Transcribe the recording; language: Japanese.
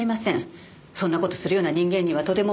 そんな事するような人間にはとても。